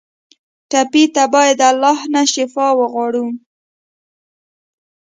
ټپي ته باید د الله نه شفا وغواړو.